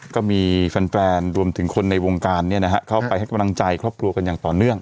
ก็มีแฟนรวมถึงคนในวงการเข้าไปให้กำลังใจครอบครัวกันอย่างต่อเนื่อง